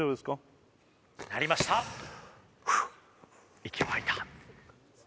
息を吐いた。